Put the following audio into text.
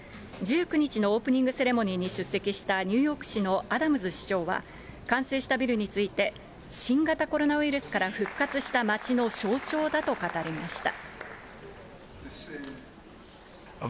１９日のオープニングセレモニーに出席したニューヨーク市のアダムズ市長は、完成したビルについて、新型コロナウイルスから復活した街の象徴だと語りました。